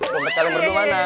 jompet kalian berdua mana